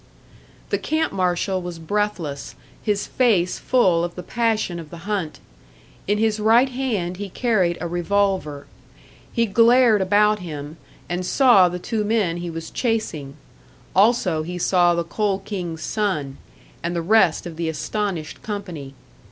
The camp marshal was breathless, his face full of the passion of the hunt. In his right hand he carried a revolver. He glared about him, and saw the two men he was chasing; also he saw the Coal King's son, and the rest of the astonished company.